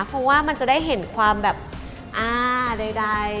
เพราะว่ามันจะได้เห็นความแบบอ่าใด